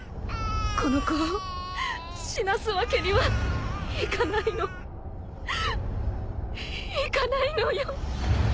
この子を死なすわけにはいかないの。いかないのよ。